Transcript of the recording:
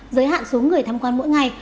giới hạn số người thăm quan mỗi ngày